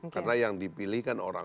karena yang dipilih kan orang